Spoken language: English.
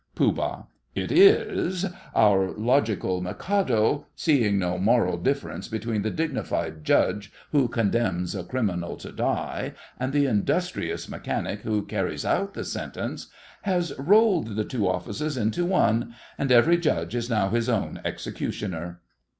POOH. It is. Our logical Mikado, seeing no moral difference between the dignified judge who condemns a criminal to die, and the industrious mechanic who carries out the sentence, has rolled the two offices into one, and every judge is now his own executioner.